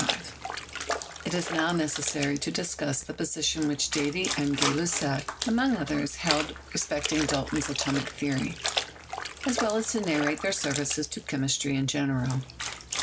188 CHEMISTRY It is now necessary to discuss the position which Davy and Gay Lussac, among others, held respecting Dalton's atomic theory, as well as to narrate their services to chemistry in general.